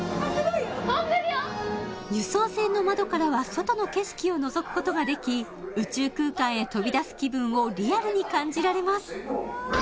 飛んでるよすごいよ輸送船の窓からは外の景色をのぞくことができ宇宙空間へ飛び出す気分をリアルに感じられます